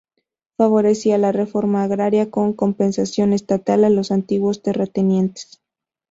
Favorecía la reforma agraria, con compensación estatal a los antiguos terratenientes.